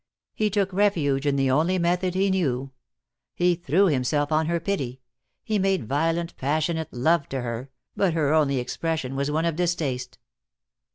He took refuge in the only method he knew; he threw himself on her pity; he made violent, passionate love to her, but her only expression was one of distaste.